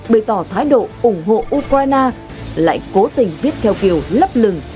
bày tỏ thái độ ủng hộ ukraine lại cố tình viết theo kiểu lấp lừng